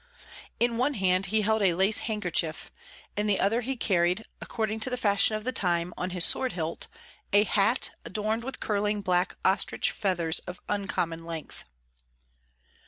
In one hand he held a lace handkerchief; in the other he carried, according to the fashion of the time, on his sword hilt, a hat adorned with curling black ostrich feathers of uncommon length.